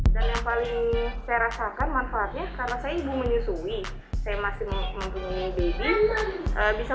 dan yang paling saya rasakan manfaatnya karena saya ibu menyusui saya masih mempunyai baby bisa